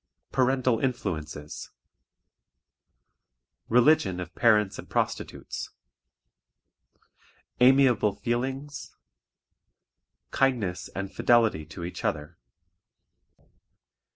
Parental Influences. Religion of Parents and Prostitutes. Amiable Feelings. Kindness and Fidelity to each other.